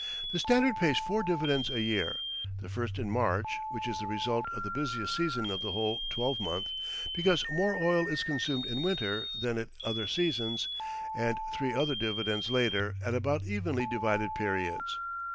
The Standard pays four dividends a year: the first in March, which is the result of the busiest season of the whole twelvemonth, because more oil is consumed in winter than at other seasons, and three other dividends later, at about evenly divided periods.